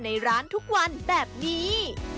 ในร้านทุกวันแบบนี้